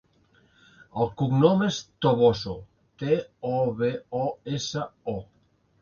El cognom és Toboso: te, o, be, o, essa, o.